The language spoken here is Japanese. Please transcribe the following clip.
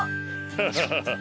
ハハハハハ！